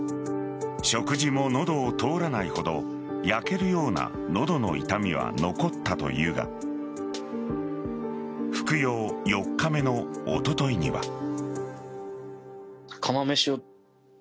食事も喉を通らないほど焼けるような喉の痛みは残ったというが服用４日目のおとといには。